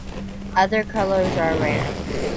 Other colors are rare.